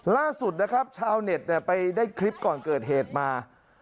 ล่าสุดนะครับชาวเน็ตไปได้คลิปก่อนเกิดเหตุมา